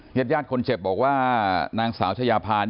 เจ็บคนเจ็บบอกว่านางสาวชะยาพา